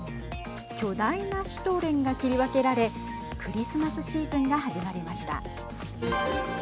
巨大なシュトーレンが切り分けられクリスマスシーズンが始まりました。